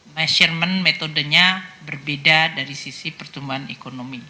measurement metodenya berbeda dari sisi pertumbuhan ekonomi